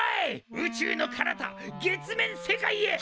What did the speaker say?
宇宙のかなた月面世界へ！